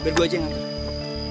biar gue aja yang ngantuk